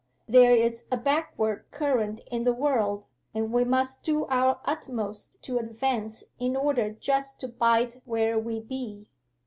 There's a back'ard current in the world, and we must do our utmost to advance in order just to bide where we be.